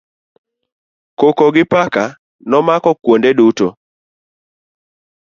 Koko gi pak nomako kuonde duto.